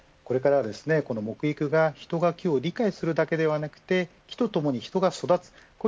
これからは木育が、人を木を理解するだけではなく木とともに人が育つ